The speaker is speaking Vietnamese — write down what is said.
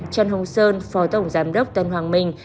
trần hồng sơn phó tổng giám đốc tân hoàng minh